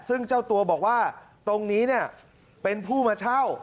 ซึ่งเจ้าตัวบอกว่าตรงนี้เนี่ยเป็นผู้มาเช่า